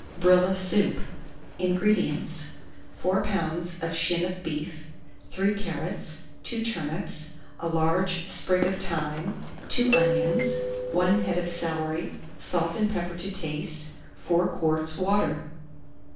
BRILLA SOUP. 166. INGREDIENTS. 4 lbs. of shin of beef, 3 carrots, 2 turnips, a large sprig of thyme, 2 onions, 1 head of celery, salt and pepper to taste, 4 quarts water.